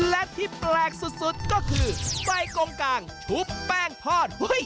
และที่แปลกสุดก็คือใบกงกางชุบแป้งทอด